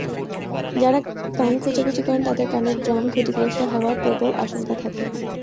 যাঁরা কান খোঁচাখুঁচি করেন, তাঁদের কানের ড্রাম ক্ষতিগ্রস্ত হওয়ার প্রবল আশঙ্কা থাকে।